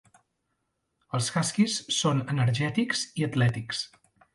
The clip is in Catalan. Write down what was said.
Els huskies són energètics i atlètics.